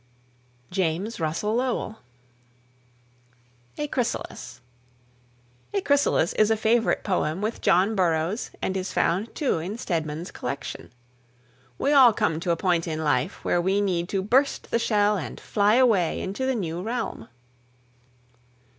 JAMES RUSSELL LOWELL. A CHRYSALIS. "A Chrysalis" is a favourite poem with John Burroughs, and is found, too, in Stedman's collection. We all come to a point in life where we need to burst the shell and fly away into the new realm.